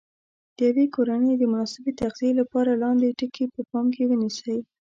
د یوې کورنۍ د مناسبې تغذیې لپاره لاندې ټکي په پام کې ونیسئ.